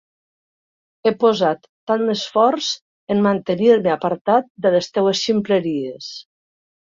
He posat tant esforç en mantenir-me apartat de les teves ximpleries.